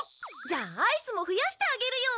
じゃあアイスも増やしてあげるよ！